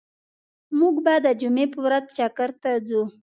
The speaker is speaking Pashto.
موږ به د جمعی په ورځ چکر ته ځو